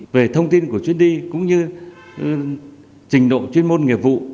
về thông tin của chuyến đi cũng như trình độ chuyên môn nghiệp vụ